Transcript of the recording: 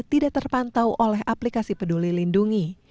tidak terpantau oleh aplikasi peduli lindungi